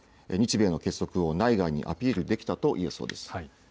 日米の結束を内外にアピールできたと言えそうです。